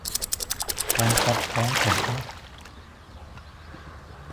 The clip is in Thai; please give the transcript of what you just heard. ท้องคัดท้องแข็ง